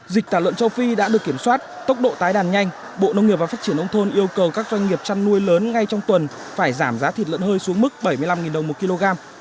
dịch tả lợn châu phi đã được kiểm soát tốc độ tái đàn nhanh bộ nông nghiệp và phát triển nông thôn yêu cầu các doanh nghiệp chăn nuôi lớn ngay trong tuần phải giảm giá thịt lợn hơi xuống mức bảy mươi năm đồng một kg